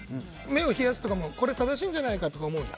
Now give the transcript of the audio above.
目を冷やすとかこれ、正しいんじゃないかとか思うの。